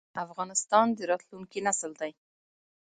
افغانستان د راتلونکي نسل دی؟